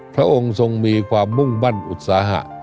พระองค์ทรงมีความมุ่งมั่นอุตสาหะ